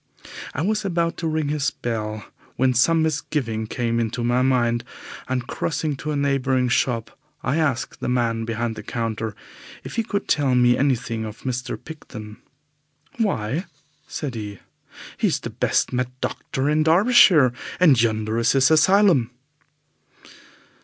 I was about to ring his bell, when some misgiving came into my mind, and, crossing to a neighbouring shop, I asked the man behind the counter if he could tell me anything of Mr. Picton. "Why," said he, "he is the best mad doctor in Derbyshire, and yonder is his asylum."